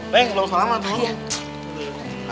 neng belum selama tuh